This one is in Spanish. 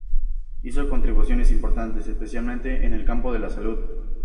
Hizo contribuciones importantes, especialmente, en el campo de la salud.